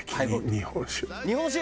日本酒？